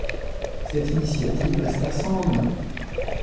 Cette initiative resta sans lendemain.